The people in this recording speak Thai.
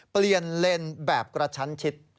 เปลี่ยนเลนแบบกระชั้นคิด